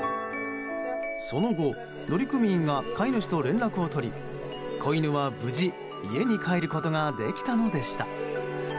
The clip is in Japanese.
その後、乗組員が飼い主と連絡を取り子犬は、無事家に帰ることができたのでした。